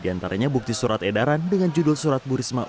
di antaranya bukti surat edaran dengan judul surat burisma